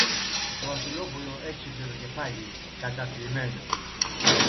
Το Βασιλόπουλο έσκυψε το κεφάλι, καταθλιμμένο.